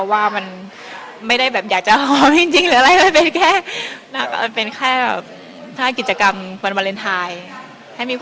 ว่ามันไม่ได้แบบอยากจะหอมจริงหรืออะไรมันเป็นแค่เป็นแค่แบบถ้ากิจกรรมวันวาเลนไทย